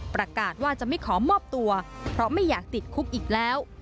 ประกาศว่าจะไม่ขอมอบตัวเพราะไม่อยากติดคุกอีกแล้ว